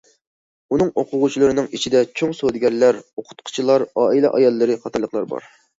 ئۇنىڭ ئوقۇغۇچىلىرىنىڭ ئىچىدە چوڭ سودىگەرلەر، ئوقۇتقۇچىلار، ئائىلە ئاياللىرى قاتارلىقلار بار.